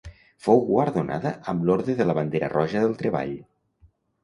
Fou guardonada amb l'Orde de la Bandera Roja del Treball.